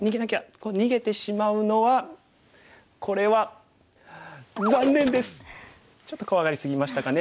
こう逃げてしまうのはこれはちょっと怖がり過ぎましたかね。